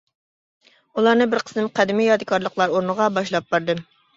ئۇلارنى بىر قىسىم قەدىمىي يادىكارلىقلار ئورنىغا باشلاپ باردىم.